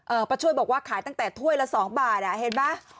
ป้าช่วยบอกว่าขายตั้งแต่ถ้วยละสองบาทอ่ะเห็นไหม